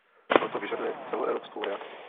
Proto vyžaduje celoevropskou reakci.